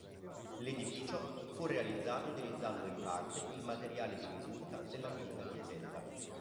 L'edificio fu realizzato utilizzando in parte il materiale di risulta dell'antica chiesetta.